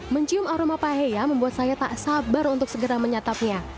mencium aroma paheya membuat saya tak sabar untuk segera menyatapnya